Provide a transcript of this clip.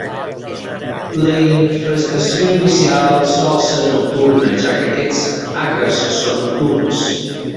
La infestació inicial sol ser nocturna, ja que aquests àcars són nocturns.